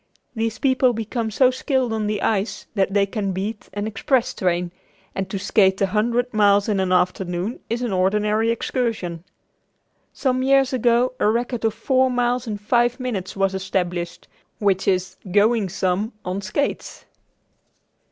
These people become so skilled on the ice that they can beat an express train, and to skate a hundred miles in an afternoon is an ordinary excursion. Some years ago a record of four miles in five minutes was established which is "going some" on skates.